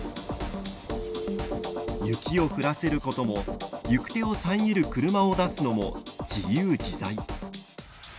雪を降らせることも行く手を遮る車を出すのも自由自在。